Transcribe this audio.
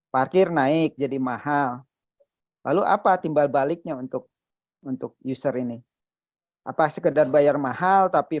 parkir naik jadi mahal lalu apa timbal baliknya untuk untuk user ini apa sekedar bayar mahal tapi